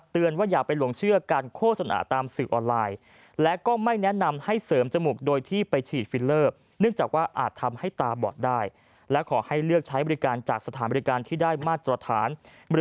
เตือนว่าอย่าไปหลวงเชื่อการโฆษณาตามสื่อออนไลน์